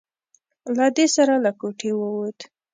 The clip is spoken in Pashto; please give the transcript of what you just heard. له دې سره له کوټې ووت.